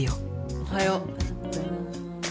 おはよう。